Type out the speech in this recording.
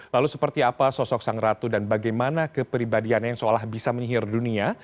lalu seperti apa sosok sang ratu dan bagaimana kepribadiannya yang seolah bisa menyihir dunia